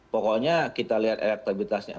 pokoknya kita lihat elektabilitasnya